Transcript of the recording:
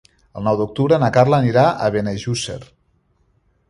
El nou d'octubre na Carla anirà a Benejússer.